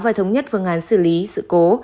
và thống nhất phương án xử lý sự cố